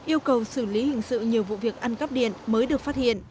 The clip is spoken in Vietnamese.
yêu cầu xử lý hình sự nhiều vụ việc ăn cắp điện mới được phát hiện